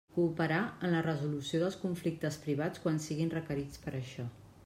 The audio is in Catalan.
Cooperar en la resolució dels conflictes privats quan siguin requerits per això.